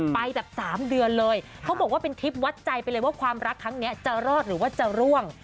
ไปแบบ๓เดือนเลยเขาบอกว่าเป็นทริปวัดใจไปเลยว่าความรักครั้งนี้จะรอดหรือว่าจะร่วง